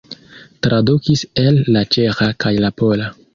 Tradukis el la ĉeĥa kaj la pola.